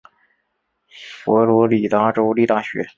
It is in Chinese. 佛罗里达州立大学。